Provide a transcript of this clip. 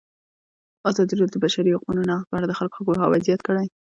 ازادي راډیو د د بشري حقونو نقض په اړه د خلکو پوهاوی زیات کړی.